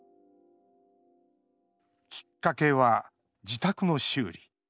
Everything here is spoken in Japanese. きっかけは自宅の修理。